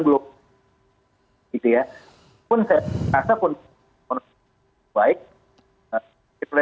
gitu ya pun saya rasa pun